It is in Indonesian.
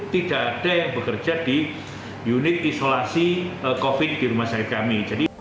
tidak ada yang bekerja di unit isolasi covid sembilan belas di rumah sakit kami